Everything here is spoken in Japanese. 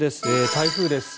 台風です。